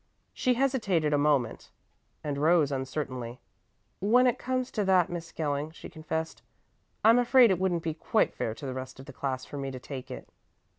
She hesitated a moment, and rose uncertainly. "When it comes to that, Miss Skelling," she confessed, "I'm afraid it wouldn't be quite fair to the rest of the class for me to take it."